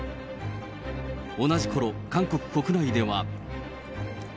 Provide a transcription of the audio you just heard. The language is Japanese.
同じころ、韓国国内では。